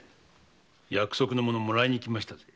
約束のものもらいにきましたぜ。